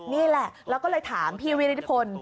นี่แหละแล้วก็เลยถามพี่วิริธิพล